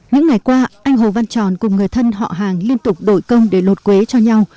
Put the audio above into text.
những ngày qua anh hồ văn tròn cùng người thân họ hàng liên tục đổi công để lột quế cho nhau